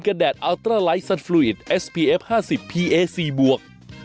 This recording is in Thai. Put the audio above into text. เหมือนแบบตอบไม่ต้องคำถามไม่มองหน้าหนิงด้วย